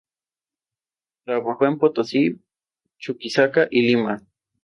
Es un bateador diestro, y ocasionalmente ejerce de portero.